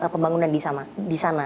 pembangunan di sana